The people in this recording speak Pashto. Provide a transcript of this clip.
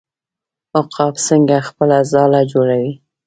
عقاب څنګه خپله ځاله جوړوي؟